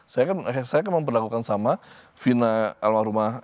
saya akan memperlakukan sama vina alwarumah